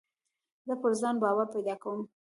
زه پر ځان باور پیدا کوم.